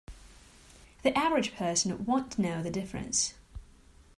The average person won't know the difference.